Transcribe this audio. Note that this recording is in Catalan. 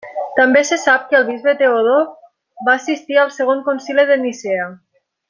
També se sap que el bisbe Teodor va assistir al Segon Concili de Nicea.